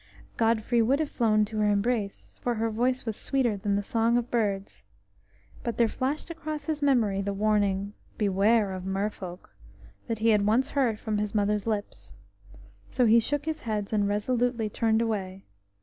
Godfrey would have flown to her embrace, for her voice was sweeter than the song of birds, but there flashed across his memory the warning, "Beware of merfolk," that he had once heard from his mother's lips. So he shook his head and resolutely turned away.